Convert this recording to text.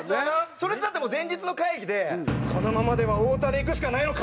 それだってもう前日の会議で「このままでは太田でいくしかないのか！」